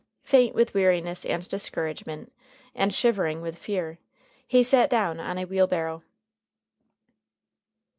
Faint with weariness and discouragement, and shivering with fear, he sat down on a wheelbarrow.